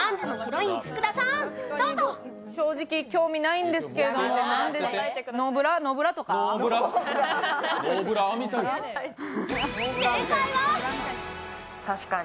正直興味ないんですけどノーブラとか？